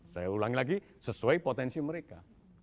saya ulangi lagi sesuai potensi mereka